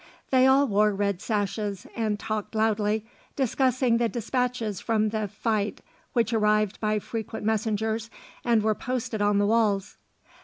They all wore red sashes and talked loudly, discussing the despatches from the fight which arrived by frequent messengers and were posted on the walls.